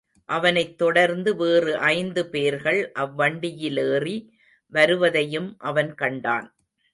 அவனைத் தொடர்ந்து வேறு ஐந்து பேர்கள் அவ்வண்டியிலேறி வருவதையும் அவன் கண்டான்.